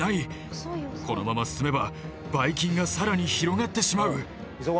このまま進めばバイ菌が更に広がってしまう。